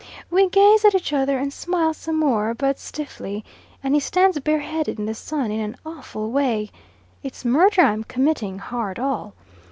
We gaze at each other, and smile some more, but stiffly, and he stands bareheaded in the sun in an awful way. It's murder I'm committing, hard all!